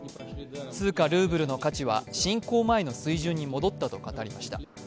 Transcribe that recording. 通貨ルーブルの価値は侵攻前の水準に戻ったと語りました。